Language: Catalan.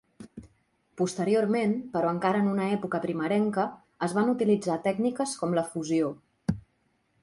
Posteriorment, però encara en una època primerenca, es van utilitzar tècniques com la fusió.